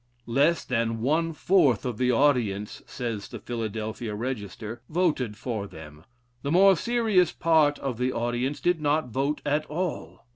"Less than one fourth of the audience," says the Philadelphia Register, "voted for them. The more serious part of the audience did not vote at all.